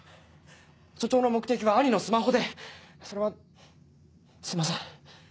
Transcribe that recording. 署長の目的は兄のスマホでそれはすいません。